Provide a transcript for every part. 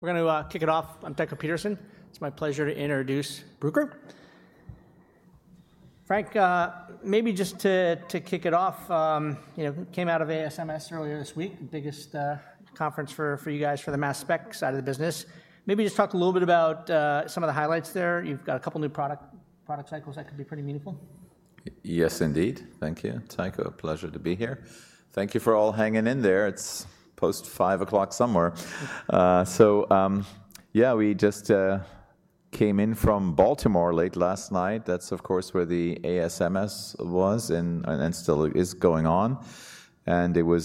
We're going to kick it off. I'm Tycho Peterson. It's my pleasure to introduce Bruker. Frank, maybe just to kick it off, you know, came out of ASMS earlier this week, the biggest conference for you guys for the mass spec side of the business. Maybe just talk a little bit about some of the highlights there. You've got a couple of new product cycles that could be pretty meaningful. Yes, indeed. Thank you, Tycho. Pleasure to be here. Thank you for all hanging in there. It's post 5:00 somewhere. Yeah, we just came in from Baltimore late last night. That's, of course, where the ASMS was and still is going on. It was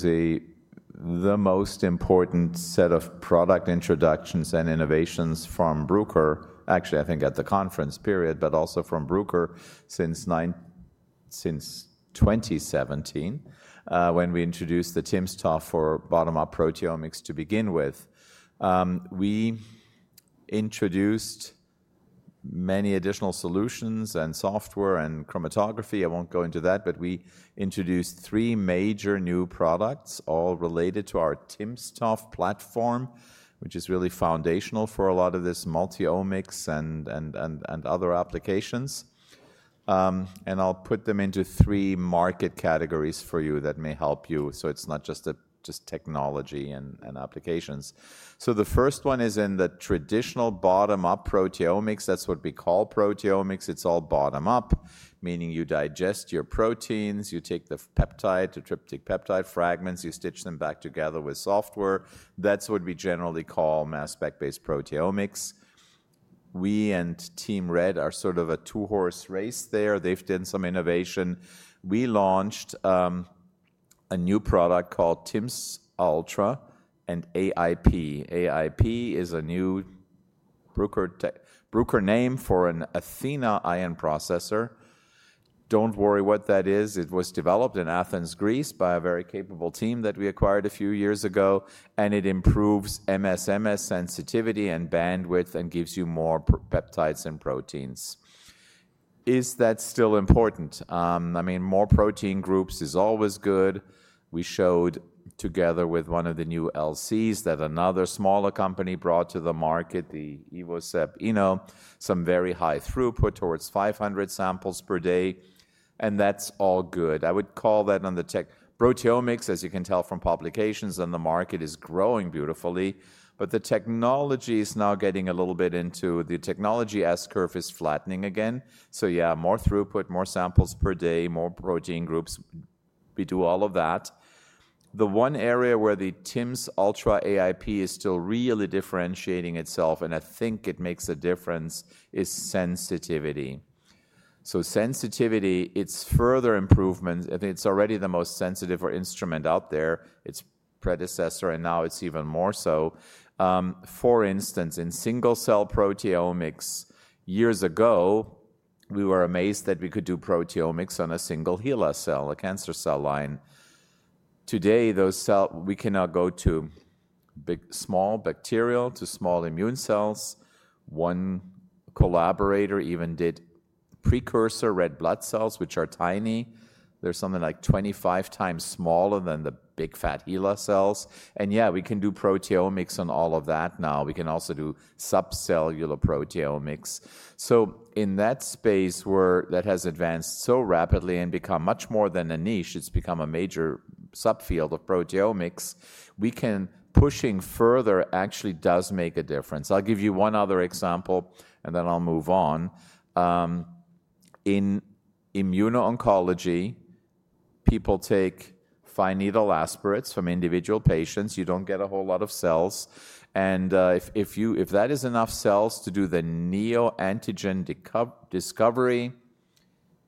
the most important set of product introductions and innovations from Bruker, actually, I think, at the conference period, but also from Bruker since 2017, when we introduced the timsTOF for bottom-up proteomics to begin with. We introduced many additional solutions and software and chromatography. I won't go into that, but we introduced three major new products, all related to our timsTOF platform, which is really foundational for a lot of this multi-omics and other applications. I'll put them into three market categories for you that may help you. It's not just technology and applications. The first one is in the traditional bottom-up proteomics. That's what we call proteomics. It's all bottom-up, meaning you digest your proteins, you take the peptide, the tryptic peptide fragments, you stitch them back together with software. That's what we generally call mass spec-based proteomics. We and Team Red are sort of a two-horse race there. They've done some innovation. We launched a new product called timsUltra and AIP. AIP is a new Bruker name for an Athena Ion Processor. Don't worry what that is. It was developed in Athens, Greece, by a very capable team that we acquired a few years ago. It improves MS/MS sensitivity and bandwidth and gives you more peptides and proteins. Is that still important? I mean, more protein groups is always good. We showed together with one of the new LCs that another smaller company brought to the market, the EvoSep Eno, some very high throughput towards 500 samples per day. That is all good. I would call that on the proteomics, as you can tell from publications, and the market is growing beautifully. The technology is now getting a little bit into the technology S curve is flattening again. Yeah, more throughput, more samples per day, more protein groups. We do all of that. The one area where the timsTOF Ultra AIP is still really differentiating itself, and I think it makes a difference, is Sensitivity. Sensitivity, it is further improvements. I think it is already the most sensitive instrument out there. Its predecessor, and now it is even more so. For instance, in single-cell proteomics, years ago, we were amazed that we could do proteomics on a single HeLa cell, a cancer cell line. Today, those cells, we can now go to small bacterial to small immune cells. One collaborator even did precursor red blood cells, which are tiny. They're something like 25 times smaller than the big fat HeLa cells. Yeah, we can do proteomics on all of that now. We can also do subcellular proteomics. In that space where that has advanced so rapidly and become much more than a niche, it's become a major subfield of proteomics. Pushing further actually does make a difference. I'll give you one other example, and then I'll move on. In immuno-oncology, people take fine needle aspirates from individual patients. You don't get a whole lot of cells. If that is enough cells to do the neoantigen discovery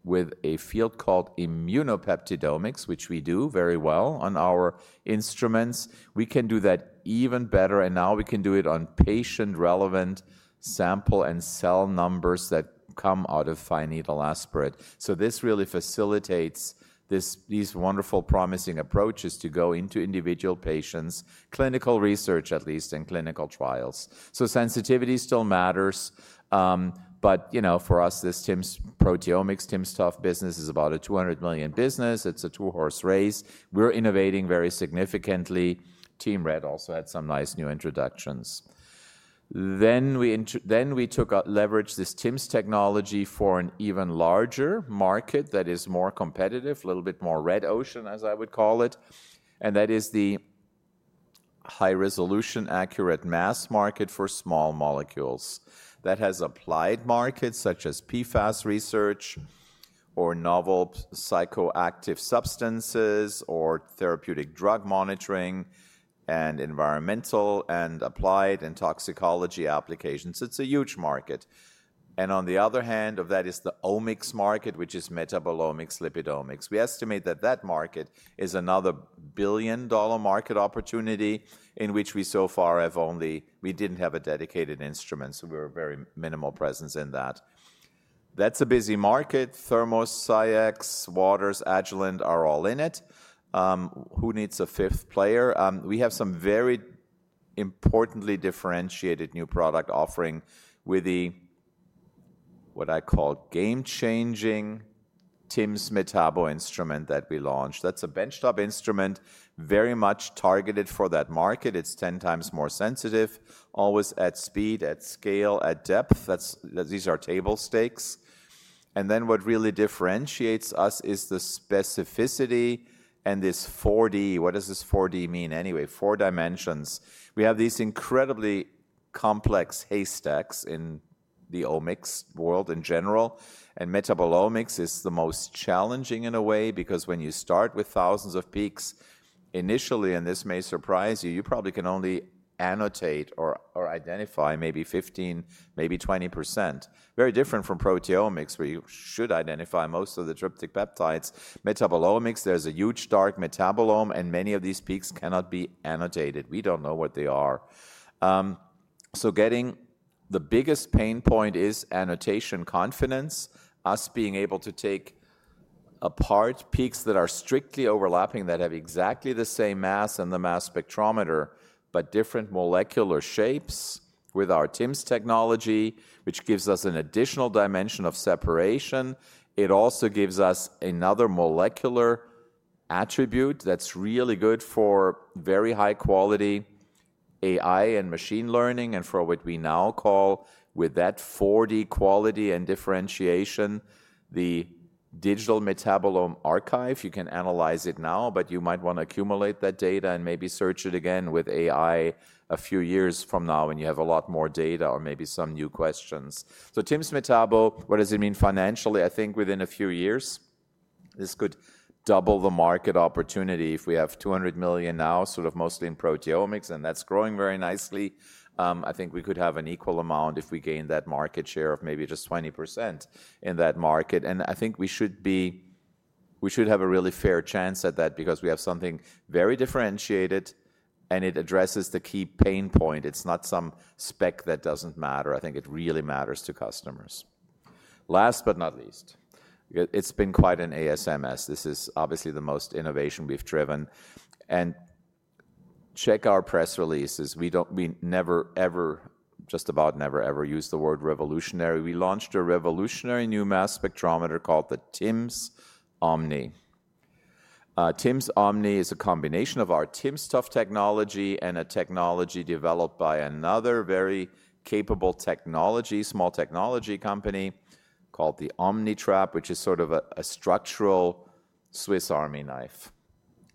with a field called Immunopeptidomics, which we do very well on our instruments, we can do that even better. Now we can do it on patient-relevant sample and cell numbers that come out of fine needle aspirate. This really facilitates these wonderful, promising approaches to go into individual patients, clinical research at least, and clinical trials. Sensitivity still matters. You know, for us, this timsTOF proteomics, timsTOF business is about a $200 million business. It's a two-horse race. We're innovating very significantly. Team Red also had some nice new introductions. We took out, leveraged this TIMS technology for an even larger market that is more competitive, a little bit more red ocean, as I would call it. That is the high-resolution, accurate mass market for small molecules. That has applied markets such as PFAS research or novel psychoactive substances or therapeutic drug monitoring and environmental and applied and toxicology applications. It's a huge market. On the other hand of that is the omics market, which is metabolomics, lipidomics. We estimate that that market is another billion-dollar market opportunity in which we so far have only, we did not have a dedicated instrument, so we were a very minimal presence in that. That's a busy market. Thermo, Sciex, Waters, Agilent are all in it. Who needs a fifth player? We have some very importantly differentiated new product offering with the what I call game-changing timsMetabo instrument that we launched. That's a benchtop instrument very much targeted for that market. It's 10 times more sensitive, always at speed, at scale, at depth. These are table stakes. What really differentiates us is the specificity and this 4D. What does this 4D mean anyway? Four dimensions. We have these incredibly complex haystacks in the omics world in general. Metabolomics is the most challenging in a way because when you start with thousands of peaks initially, and this may surprise you, you probably can only annotate or identify maybe 15%, maybe 20%. Very different from proteomics, where you should identify most of the tryptic peptides. Metabolomics, there is a huge dark metabolome, and many of these peaks cannot be annotated. We do not know what they are. Getting the biggest pain point is annotation confidence, us being able to take apart peaks that are strictly overlapping, that have exactly the same mass in the mass spectrometer, but different molecular shapes with our TIMS technology, which gives us an additional dimension of separation. It also gives us another molecular attribute that's really good for very high-quality AI and machine learning and for what we now call, with that 4D quality and differentiation, the digital metabolome archive. You can analyze it now, but you might want to accumulate that data and maybe search it again with AI a few years from now when you have a lot more data or maybe some new questions. So timsMetabo, what does it mean financially? I think within a few years, this could double the market opportunity if we have $200 million now, sort of mostly in proteomics, and that's growing very nicely. I think we could have an equal amount if we gain that market share of maybe just 20% in that market. I think we should be, we should have a really fair chance at that because we have something very differentiated, and it addresses the key pain point. It's not some spec that doesn't matter. I think it really matters to customers. Last but not least, it's been quite an ASMS. This is obviously the most innovation we've driven. Check our press releases. We don't, we never, ever, just about never, ever use the word revolutionary. We launched a revolutionary new mass spectrometer called the timsOmni. TimsOmni is a combination of our timsTOF technology and a technology developed by another very capable, small technology company called Omnitrap, which is sort of a structural Swiss Army knife.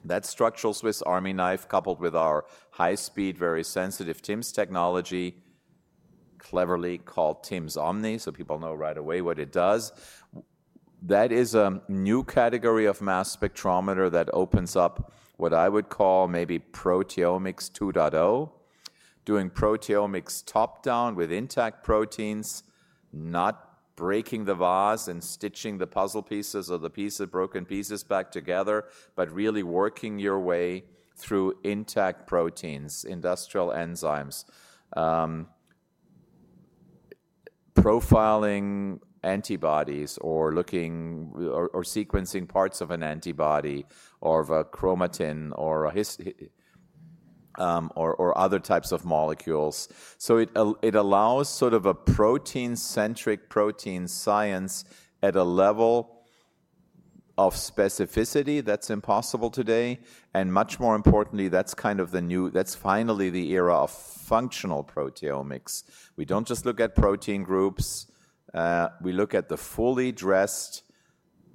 That structural Swiss Army knife, coupled with our high-speed, very sensitive TIMS technology, cleverly called timsOmnii, so people know right away what it does. That is a new category of mass spectrometer that opens up what I would call maybe Proteomics 2.0, doing proteomics top-down with intact proteins, not breaking the vase and stitching the puzzle pieces or the piece of broken pieces back together, but really working your way through intact proteins, industrial enzymes. Profiling antibodies or looking or sequencing parts of an antibody or of a chromatin or other types of molecules. It allows sort of a protein-centric protein science at a level of specificity that's impossible today. Much more importantly, that's kind of the new, that's finally the era of functional proteomics. We do not just look at protein groups. We look at the fully dressed,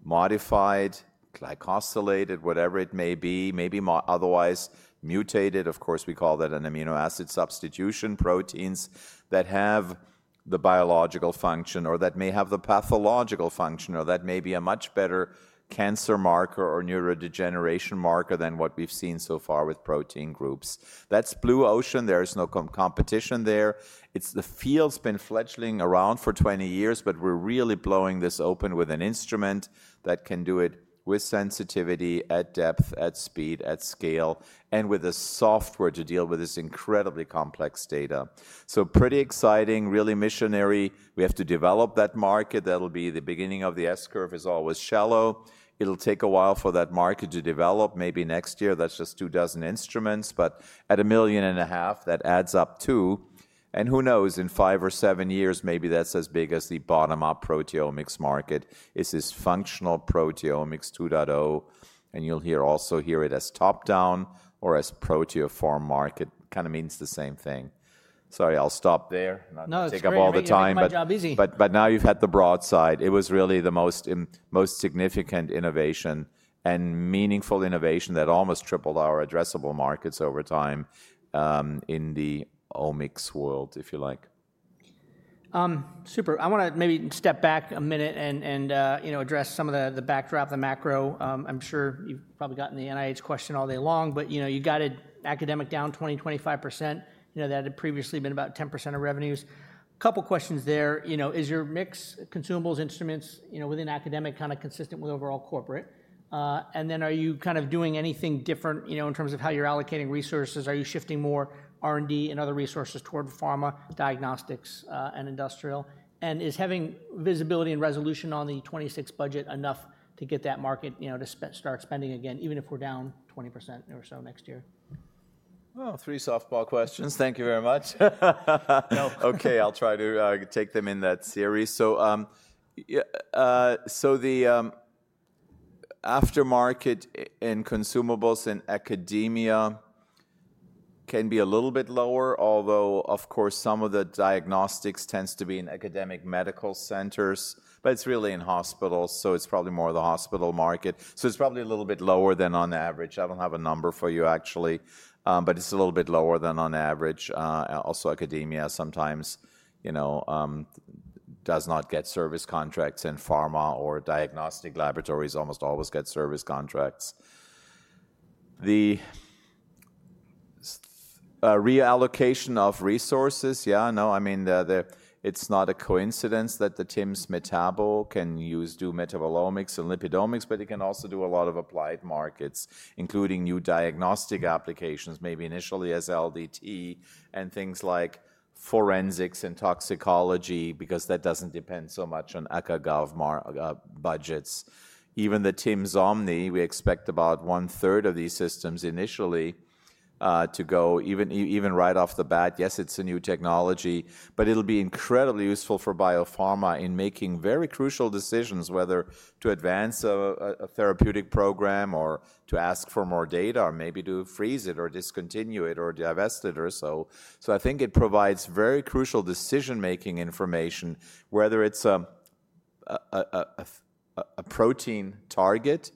modified, glycosylated, whatever it may be, maybe otherwise mutated. Of course, we call that an amino acid substitution, proteins that have the biological function or that may have the pathological function or that may be a much better cancer marker or neurodegeneration marker than what we've seen so far with protein groups. That's blue ocean. There is no competition there. The field's been fledgling around for 20 years, but we're really blowing this open with an instrument that can do it with sensitivity, at depth, at speed, at scale, and with the software to deal with this incredibly complex data. Pretty exciting, really missionary. We have to develop that market. That'll be the beginning of the S curve, is always shallow. It'll take a while for that market to develop. Maybe next year, that's just two dozen instruments, but at a million and a half, that adds up to. Who knows, in five or seven years, maybe that's as big as the bottom-up proteomics market is, this functional Proteomics 2.0. You'll also hear it as top-down or as proteoform market. It kind of means the same thing. Sorry, I'll stop there. Not to take up all the time, but now you've had the broad side. It was really the most significant innovation and meaningful innovation that almost tripled our addressable markets over time in the omics world, if you like. Super. I want to maybe step back a minute and address some of the backdrop, the macro. I'm sure you've probably gotten the NIH question all day long, but you got it academic down 20-25%. You know, that had previously been about 10% of revenues. A couple of questions there. Is your mix consumables, instruments within academic kind of consistent with overall corporate? Are you kind of doing anything different in terms of how you're allocating resources? Are you shifting more R&D and other resources toward pharma, diagnostics, and industrial? Is having visibility and resolution on the 2026 budget enough to get that market to start spending again, even if we're down 20% or so next year? Three softball questions. Thank you very much. Okay, I'll try to take them in that series. The aftermarket in consumables in academia can be a little bit lower, although, of course, some of the diagnostics tends to be in academic medical centers, but it's really in hospitals. It's probably more of the hospital market. It's probably a little bit lower than on average. I don't have a number for you, actually, but it's a little bit lower than on average. Also, academia sometimes does not get service contracts in pharma or diagnostic laboratories almost always get service contracts. The reallocation of resources, yeah, no, I mean, it's not a coincidence that the timsMetabo can do metabolomics and lipidomics, but it can also do a lot of applied markets, including new diagnostic applications, maybe initially as LDT and things like forensics and toxicology, because that doesn't depend so much on ACA GAV budgets. Even the timsOmni, we expect about one-third of these systems initially to go even right off the bat. Yes, it's a new technology, but it'll be incredibly useful for Biopharma in making very crucial decisions, whether to advance a therapeutic program or to ask for more data or maybe to freeze it or discontinue it or divest it or so. I think it provides very crucial decision-making information, whether it's a protein target,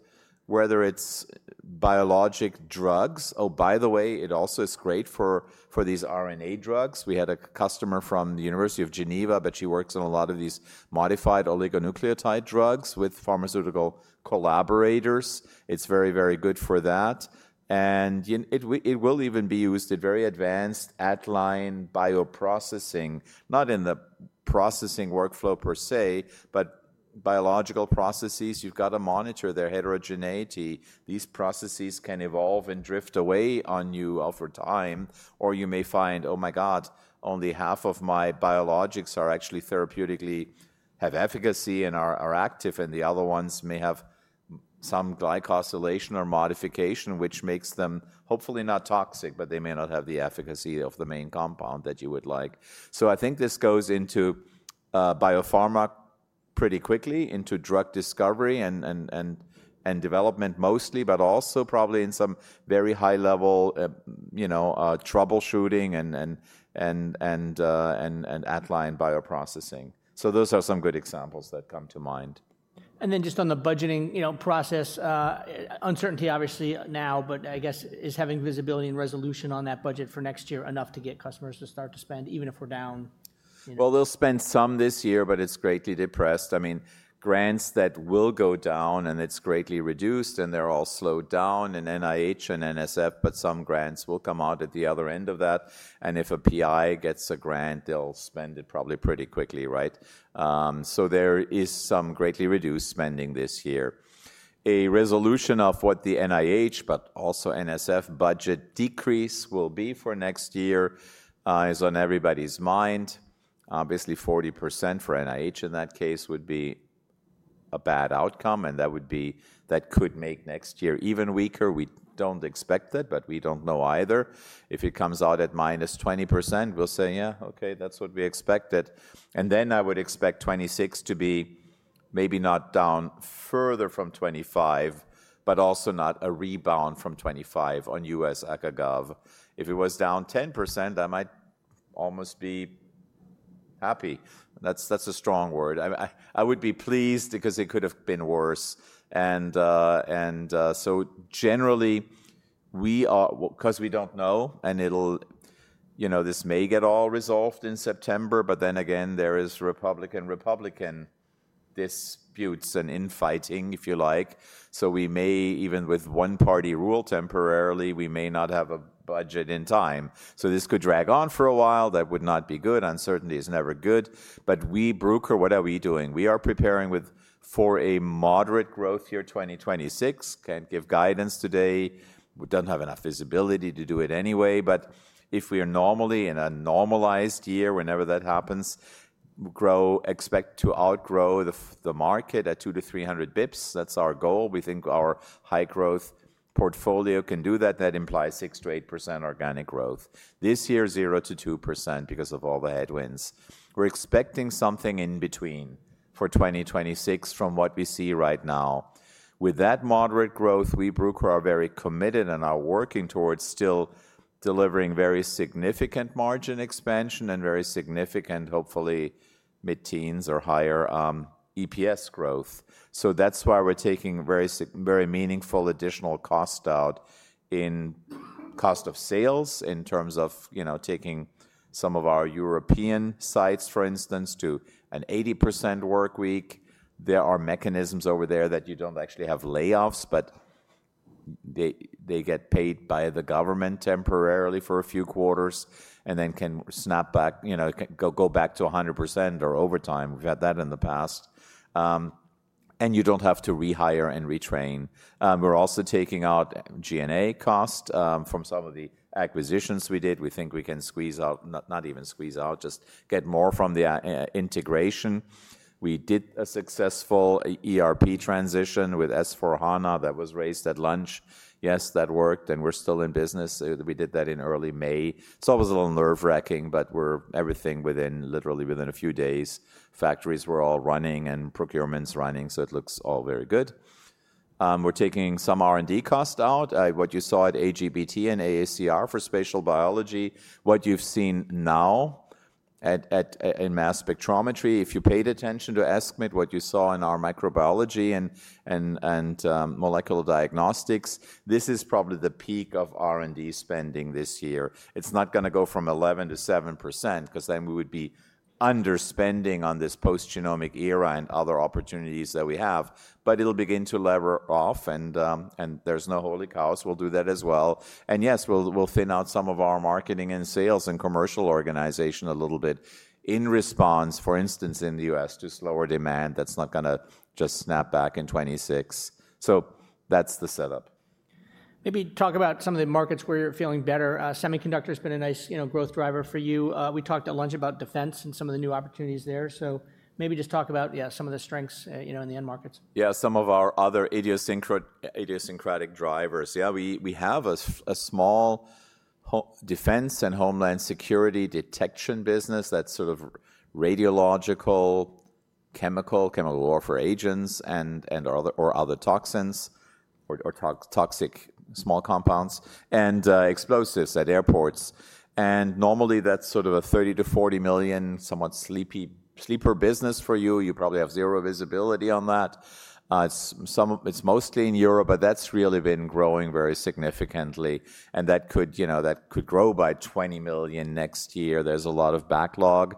whether it's biologic drugs. Oh, by the way, it also is great for these RNA drugs. We had a customer from the University of Geneva, but she works on a lot of these modified oligonucleotide drugs with pharmaceutical collaborators. It's very, very good for that. It will even be used in very advanced at-line bioprocessing, not in the processing workflow per se, but biological processes. You've got to monitor their heterogeneity. These processes can evolve and drift away on you over time, or you may find, "Oh my God, only half of my biologics are actually therapeutically efficacious and are active, and the other ones may have some glycosylation or modification," which makes them hopefully not toxic, but they may not have the efficacy of the main compound that you would like. I think this goes into Biopharma pretty quickly, into drug discovery and development mostly, but also probably in some very high-level troubleshooting and at-line bioprocessing. Those are some good examples that come to mind. Just on the budgeting process, uncertainty obviously now, but I guess is having visibility and resolution on that budget for next year enough to get customers to start to spend, even if we're down? They'll spend some this year, but it's greatly depressed. I mean, grants that will go down and it's greatly reduced and they're all slowed down in NIH and NSF, but some grants will come out at the other end of that. If a PI gets a grant, they'll spend it probably pretty quickly, right? There is some greatly reduced spending this year. A resolution of what the NIH, but also NSF budget decrease will be for next year is on everybody's mind. Obviously, 40% for NIH in that case would be a bad outcome, and that would be, that could make next year even weaker. We don't expect that, but we don't know either. If it comes out at minus 20%, we'll say, "Yeah, okay, that's what we expected." I would expect '26 to be maybe not down further from '25, but also not a rebound from '25 on U.S. ACA/GAV. If it was down 10%, I might almost be happy. That's a strong word. I would be pleased because it could have been worse. Generally, we are, because we don't know, and this may get all resolved in September, but then again, there is Republican-Republican disputes and infighting, if you like. We may, even with one-party rule temporarily, we may not have a budget in time. This could drag on for a while. That would not be good. Uncertainty is never good. We, Bruker, what are we doing? We are preparing for a moderate growth year 2026. Cannot give guidance today. We do not have enough feasibility to do it anyway. If we are normally in a normalized year, whenever that happens, grow, expect to outgrow the market at 200-300 bps. That is our goal. We think our high-growth portfolio can do that. That implies 6-8% organic growth. This year, 0-2% because of all the headwinds. We are expecting something in between for 2026 from what we see right now. With that moderate growth, we, Bruker, are very committed and are working towards still delivering very significant margin expansion and very significant, hopefully, mid-teens or higher EPS growth. That is why we are taking very meaningful additional cost out in cost of sales in terms of taking some of our European sites, for instance, to an 80% workweek. There are mechanisms over there that you do not actually have layoffs, but they get paid by the government temporarily for a few quarters and then can snap back, go back to 100% or overtime. We have had that in the past. You do not have to rehire and retrain. We are also taking out G&A cost from some of the acquisitions we did. We think we can squeeze out, not even squeeze out, just get more from the integration. We did a successful ERP transition with S/4 HANA that was raised at lunch. Yes, that worked, and we're still in business. We did that in early May. It's always a little nerve-wracking, but we're everything within, literally within a few days. Factories were all running and procurements running, so it looks all very good. We're taking some R&D cost out. What you saw at AGBT and AACR for spatial biology, what you've seen now in mass spectrometry, if you paid attention to ASMS, what you saw in our microbiology and molecular diagnostics, this is probably the peak of R&D spending this year. It's not going to go from 11%-7% because then we would be underspending on this post-genomic era and other opportunities that we have, but it'll begin to lever off, and there's no holy cows. We'll do that as well. Yes, we'll thin out some of our marketing and sales and commercial organization a little bit in response, for instance, in the U.S. to slower demand. That's not going to just snap back in 2026. That's the setup. Maybe talk about some of the markets where you're feeling better. Semiconductor has been a nice growth driver for you. We talked at lunch about defense and some of the new opportunities there. Maybe just talk about some of the strengths in the end markets. Yeah, some of our other idiosyncratic drivers. We have a small defense and homeland security detection business that's sort of radiological, chemical, chemical warfare agents and other toxins or toxic small compounds and explosives at airports. Normally that's sort of a $30 million-$40 million somewhat sleeper business for you. You probably have zero visibility on that. It's mostly in Europe, but that's really been growing very significantly. That could grow by $20 million next year. There's a lot of backlog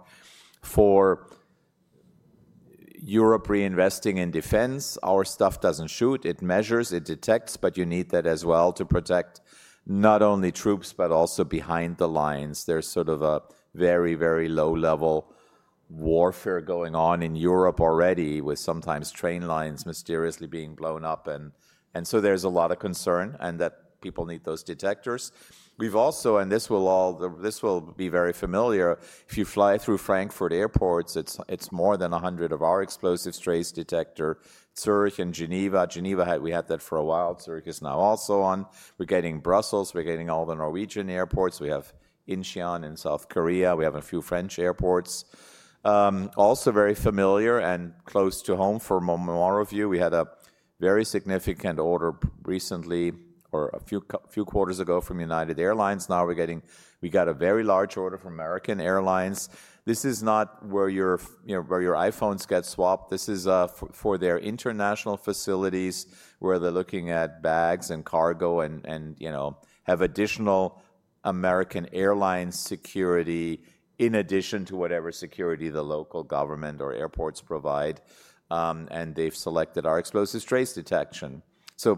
for Europe reinvesting in defense. Our stuff doesn't shoot. It measures, it detects, but you need that as well to protect not only troops, but also behind the lines. There's sort of a very, very low-level warfare going on in Europe already with sometimes train lines mysteriously being blown up. There's a lot of concern and that people need those detectors. We've also, and this will be very familiar, if you fly through Frankfurt airports, it's more than 100 of our explosive trace detector. Zurich and Geneva. Geneva, we had that for a while. Zurich is now also on. We're getting Brussels. We're getting all the Norwegian airports. We have Incheon in South Korea. We have a few French airports. Also very familiar and close to home for more of you. We had a very significant order recently or a few quarters ago from United Airlines. Now we're getting, we got a very large order from American Airlines. This is not where your iPhones get swapped. This is for their international facilities where they're looking at bags and cargo and have additional American Airlines security in addition to whatever security the local government or airports provide. They have selected our explosive trace detection.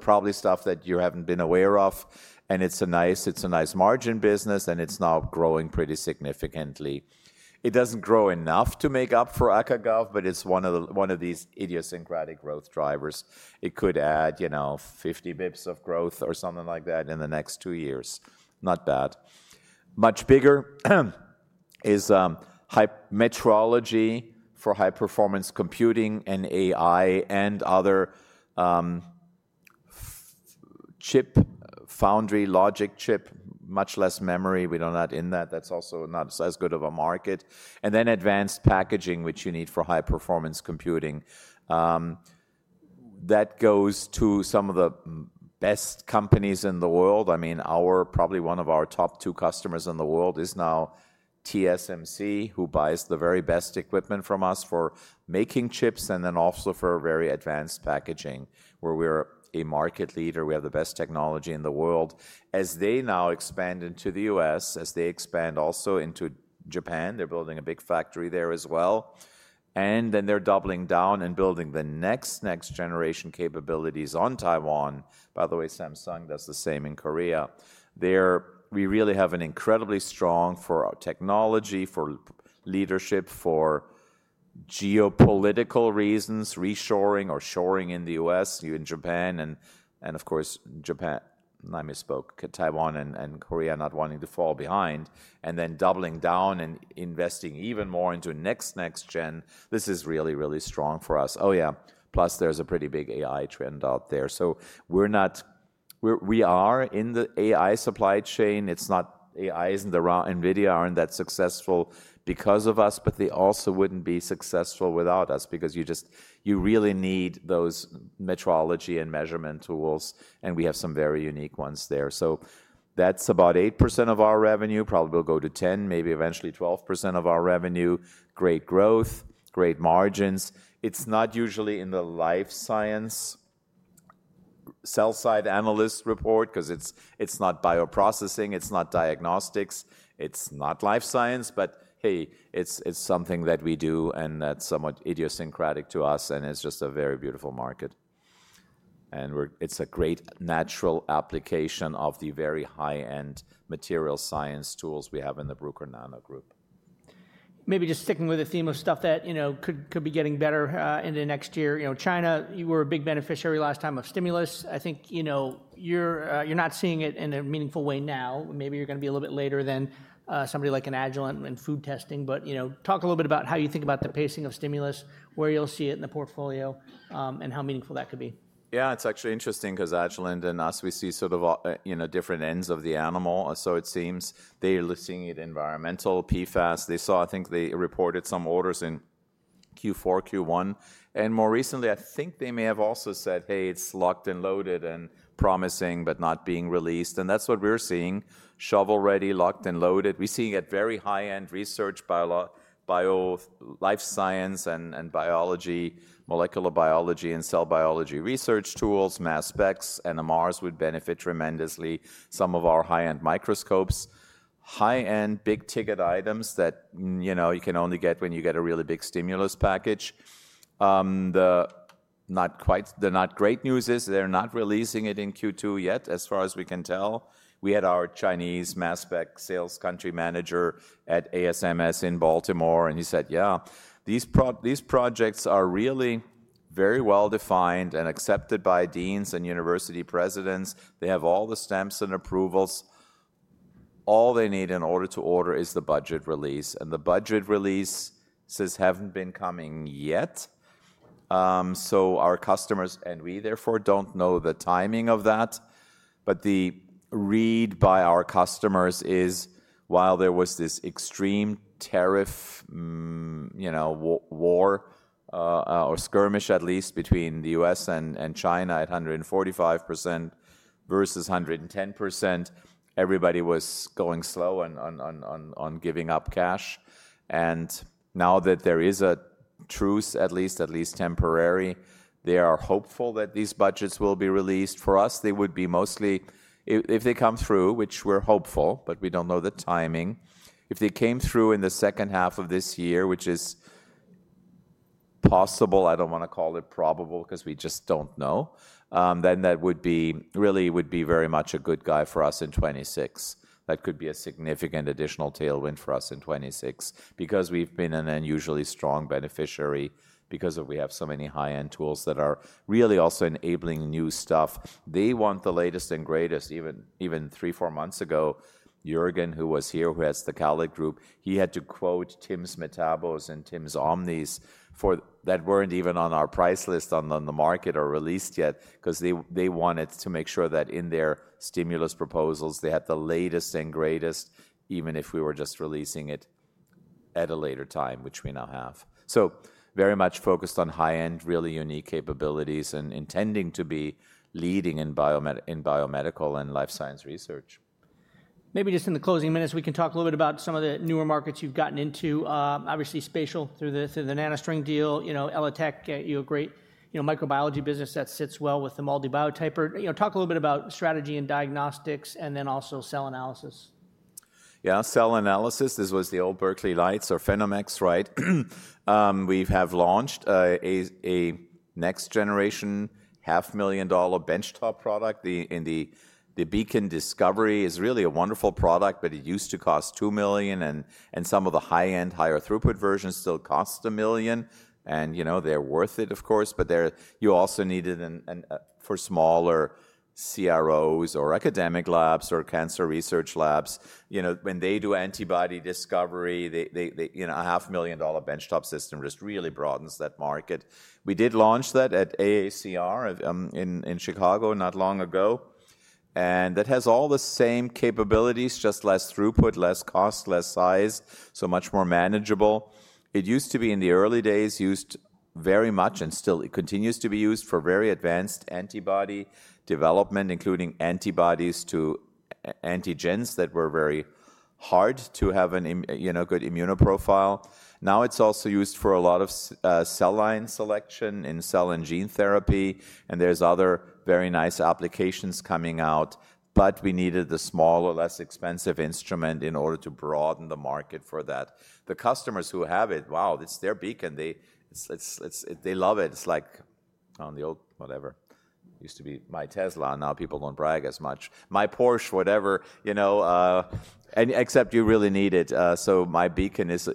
Probably stuff that you have not been aware of. It is a nice margin business, and it is now growing pretty significantly. It does not grow enough to make up for ACA/GAV, but it is one of these idiosyncratic growth drivers. It could add 50 bps of growth or something like that in the next two years. Not bad. Much bigger is metrology for high-performance computing and AI and other chip foundry, logic chip, much less memory. We do not add in that. That is also not as good of a market. Advanced packaging, which you need for high-performance computing, goes to some of the best companies in the world. I mean, our, probably one of our top two customers in the world is now TSMC, who buys the very best equipment from us for making chips and then also for very advanced packaging, where we are a market leader. We have the best technology in the world. As they now expand into the U.S., as they expand also into Japan, they are building a big factory there as well. They are doubling down and building the next generation capabilities on Taiwan. By the way, Samsung does the same in Korea. We really have an incredibly strong for our technology, for leadership, for geopolitical reasons, reshoring or shoring in the U.S., in Japan, and of course, Taiwan and Korea not wanting to fall behind. And then doubling down and investing even more into next-next gen. This is really, really strong for us. Oh yeah, plus there's a pretty big AI trend out there. So we're not, we are in the AI supply chain. It's not AI isn't around. NVIDIA aren't that successful because of us, but they also wouldn't be successful without us because you really need those metrology and measurement tools, and we have some very unique ones there. So that's about 8% of our revenue. Probably will go to 10%, maybe eventually 12% of our revenue. Great growth, great margins. It's not usually in the life science sell-side analyst report because it's not bioprocessing, it's not diagnostics, it's not life science, but hey, it's something that we do and that's somewhat idiosyncratic to us, and it's just a very beautiful market. It's a great natural application of the very high-end material science tools we have in the Bruker Nano Group. Maybe just sticking with the theme of stuff that could be getting better into next year. China, you were a big beneficiary last time of Stimulus. I think you're not seeing it in a meaningful way now. Maybe you're going to be a little bit later than somebody like an Agilent in food testing, but talk a little bit about how you think about the pacing of stimulus, where you'll see it in the portfolio, and how meaningful that could be. Yeah, it's actually interesting because Agilent and us, we see sort of different ends of the animal, so it seems. They're listing it environmental, PFAS. They saw, I think they reported some orders in Q4, Q1. More recently, I think they may have also said, "Hey, it's locked and loaded and promising, but not being released." That's what we're seeing. Shovel ready, locked and loaded. We're seeing it very high-end research, biolife science and biology, molecular biology and cell biology research tools, mass specs, NMRs would benefit tremendously, some of our high-end microscopes, high-end big ticket items that you can only get when you get a really big stimulus package. The not great news is they're not releasing it in Q2 yet, as far as we can tell. We had our Chinese mass spec sales country manager at ASMS in Baltimore, and he said, "Yeah, these projects are really very well defined and accepted by deans and university presidents. They have all the stamps and approvals. All they need in order to order is the budget release." The budget releases have not been coming yet. Our customers, and we therefore do not know the timing of that, but the read by our customers is while there was this extreme tariff war or skirmish, at least between the U.S. and China at 145% versus 110%, everybody was going slow on giving up cash. Now that there is a truce, at least temporary, they are hopeful that these budgets will be released. For us, they would be mostly, if they come through, which we are hopeful, but we do not know the timing. If they came through in the second half of this year, which is possible, I do not want to call it probable because we just do not know, then that would really be very much a good guy for us in 2026. That could be a significant additional tailwind for us in 2026 because we have been an unusually strong beneficiary because we have so many high-end tools that are really also enabling new stuff. They want the latest and greatest. Even three, four months ago, Juergen, who was here, who has the Kallik group, he had to quote timsMetabos and timsOmnis that were not even on our price list on the market or released yet because they wanted to make sure that in their stimulus proposals, they had the latest and greatest, even if we were just releasing it at a later time, which we now have. Very much focused on high-end, really unique capabilities and intending to be leading in biomedical and life science research. Maybe just in the closing minutes, we can talk a little bit about some of the newer markets you've gotten into. Obviously, spatial through the NanoString deal, ELITech, you have a great microbiology business that sits well with the MALDI BioTyper. Talk a little bit about strategy and diagnostics and then also cell analysis. Yeah, cell analysis. This was the old Berkeley Lights or PhenomeX, right? We have launched a next-generation $500,000 benchtop product in the Beacon Discovery. It's really a wonderful product, but it used to cost $2 million, and some of the high-end, higher throughput versions still cost $1 million. They're worth it, of course, but you also need it for smaller CROs or academic labs or cancer research labs. When they do antibody discovery, a $500,000 benchtop system just really broadens that market. We did launch that at AACR in Chicago not long ago. That has all the same capabilities, just less throughput, less cost, less size, so much more manageable. It used to be in the early days, used very much and still continues to be used for very advanced antibody development, including antibodies to antigens that were very hard to have a good immunoprofile. Now it is also used for a lot of cell line selection in cell and gene therapy, and there are other very nice applications coming out, but we needed the smaller, less expensive instrument in order to broaden the market for that. The customers who have it, wow, it is their beacon. They love it. It is like on the old, whatever, used to be my Tesla, and now people do not brag as much. My Porsche, whatever, except you really need it. So my Beacon is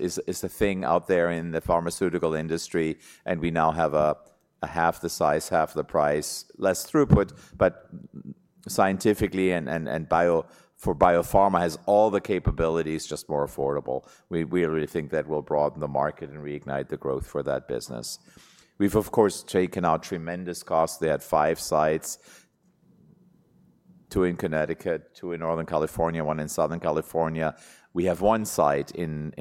a thing out there in the pharmaceutical industry, and we now have a half the size, half the price, less throughput, but scientifically and for Biopharma has all the capabilities, just more affordable. We really think that will broaden the market and reignite the growth for that business. We've, of course, taken out tremendous costs. They had five sites, two in Connecticut, two in Northern California, one in Southern California. We have one site in,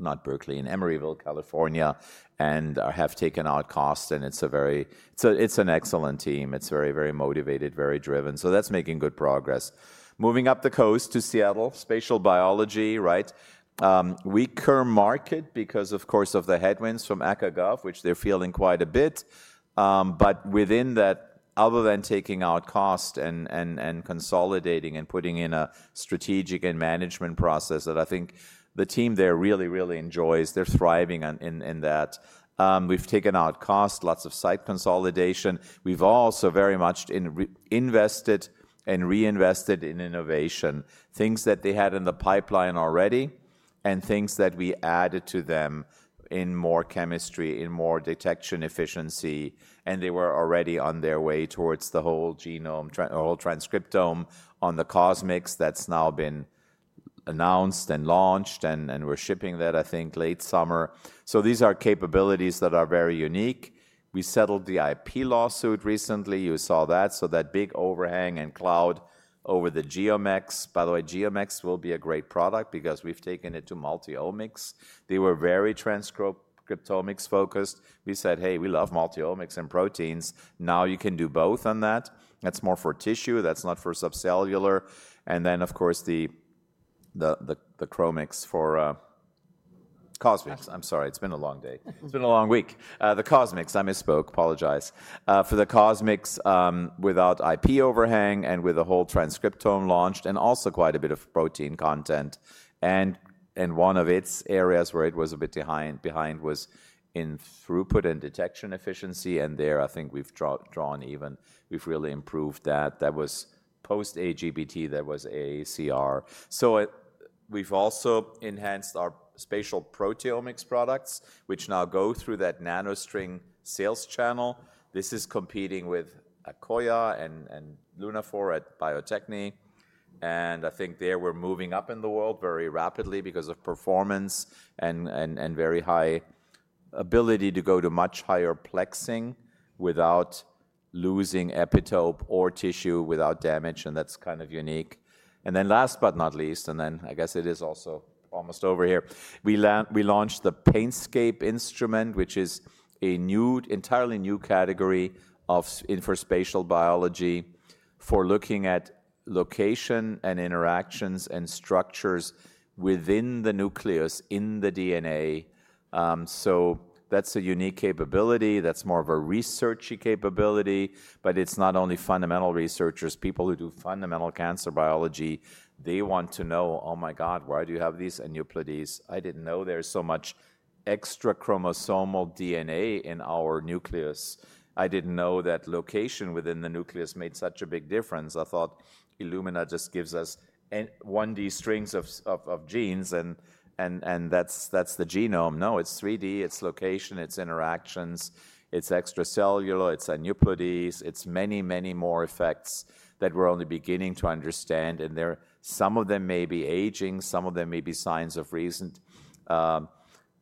not Berkeley, in Emeryville, California, and have taken out costs, and it's a very, it's an excellent team. It's very, very motivated, very driven. So that's making good progress. Moving up the coast to Seattle, spatial biology, right? We curve market because, of course, of the headwinds from ACA/GAV, which they're feeling quite a bit. Within that, other than taking out cost and consolidating and putting in a strategic and management process that I think the team there really, really enjoys, they're thriving in that. We've taken out cost, lots of site consolidation. We've also very much invested and reinvested in innovation, things that they had in the pipeline already and things that we added to them in more chemistry, in more detection efficiency. They were already on their way towards the whole genome, the whole transcriptome on the CosMx that's now been announced and launched, and we're shipping that, I think, late summer. These are capabilities that are very unique. We settled the IP lawsuit recently. You saw that. That big overhang and cloud over the GeoMx. By the way, GeoMx will be a great product because we've taken it to multi-omics. They were very transcriptomics focused. We said, "Hey, we love multi-omics and proteins. Now you can do both on that." That is more for tissue. That is not for subcellular. Of course, the CosMx, I misspoke. Apologize. For the CosMx without IP overhang and with the whole transcriptome launched and also quite a bit of protein content. One of its areas where it was a bit behind was in throughput and detection efficiency. There, I think we have drawn even, we have really improved that. That was post-AGBT, that was AACR. We have also enhanced our spatial proteomics products, which now go through that NanoString sales channel. This is competing with Akoya and Lunaphore at Bio-Techne. I think there we're moving up in the world very rapidly because of performance and very high ability to go to much higher plexing without losing epitope or tissue without damage. That is kind of unique. Last but not least, and then I guess it is also almost over here, we launched the PaintScape instrument, which is an entirely new category of infra-spatial biology for looking at location and interactions and structures within the nucleus in the DNA. That is a unique capability. That is more of a researchy capability, but it is not only fundamental researchers. People who do fundamental cancer biology, they want to know, "Oh my God, why do you have these aneuploidies? I did not know there is so much extra chromosomal DNA in our nucleus. I didn't know that location within the nucleus made such a big difference. I thought Illumina just gives us 1D strings of genes and that's the genome. No, it's 3D. It's location. It's interactions. It's extracellular. It's aneuploidies. It's many, many more effects that we're only beginning to understand. Some of them may be aging. Some of them may be signs of recent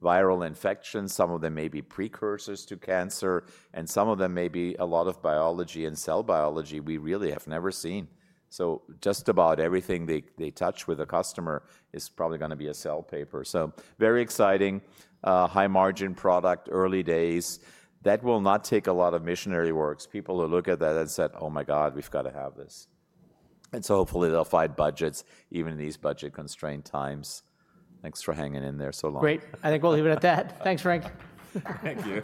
viral infections. Some of them may be precursors to cancer. Some of them may be a lot of biology and cell biology we really have never seen. Just about everything they touch with a customer is probably going to be a cell paper. Very exciting, high-margin product, early days. That will not take a lot of missionary works. People will look at that and say, "Oh my God, we've got to have this." Hopefully they'll fight budgets even in these budget-constrained times. Thanks for hanging in there so long. Great. I think we'll leave it at that. Thanks, Frank. Thank you.